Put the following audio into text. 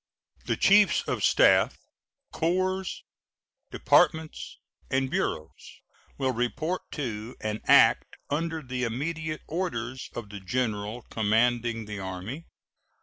The chiefs of staff corps, departments, and bureaus will report to and act under the immediate orders of the General Commanding the Army.